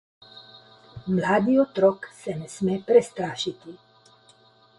Mladi otrok se ne sme prestrašiti.